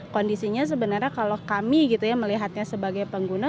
kondisinya sebenarnya kalau kami melihatnya sebagai pengguna